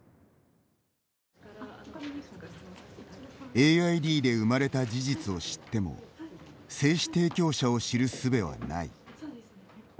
ＡＩＤで生まれた事実を知っても精子提供者を知るすべはない。